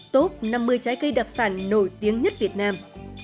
top năm mươi trái cây đặc sản nổi tiếng nhất việt nam